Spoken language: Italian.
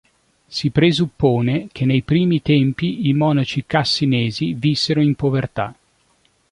Si presuppone che nei primi tempi i monaci cassinesi vissero in povertà.